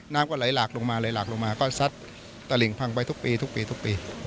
น้ำก็ไหลหลากลงมาเลยหลากลงมาก็ซัดตะหลิ่งพังไปทุกปีทุกปีทุกปี